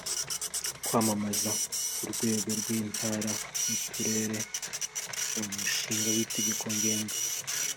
kwamamazwa ku rwego rw Intara n Uturere Umushinga w Itegeko ngenga